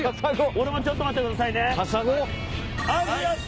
俺もちょっと待ってくださいね。